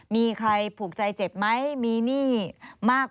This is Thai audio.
มีใครผูกใจเจ็บไหมมีหนี้มาก